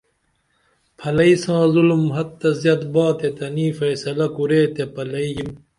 پھلئی ساں ظُلُمُ حد تہ زیت با تے تنی فیصلہ کُرے تے پلئی یم